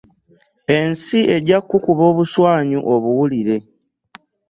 Ensi ejja kukukuba obuswanyu obuwulire.